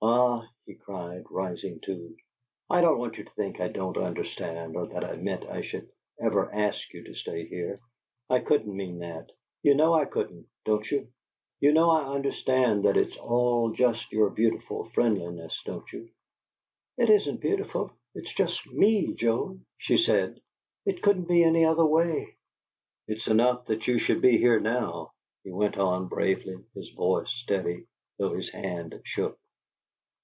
"Ah!" he cried, rising too, "I don't want you to think I don't understand, or that I meant I should ever ask you to stay here! I couldn't mean that; you know I couldn't, don't you? You know I understand that it's all just your beautiful friendliness, don't you?" "It isn't beautiful; it's just ME, Joe," she said. "It couldn't be any other way." "It's enough that you should be here now," he went on, bravely, his voice steady, though his hand shook.